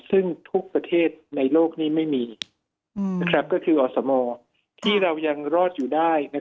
ซึ่งทุกประเทศในโลกนี้ไม่มีก็คืออสมที่เรายังรอดอยู่ได้